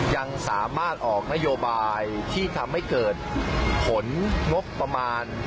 ยังสามารถออกนโยบายที่ทำให้เกิดผลงบประมาณ